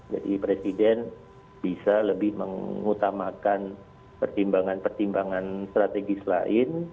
jadi presiden bisa lebih mengutamakan pertimbangan pertimbangan strategis lain